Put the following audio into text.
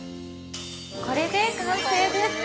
◆これで完成です。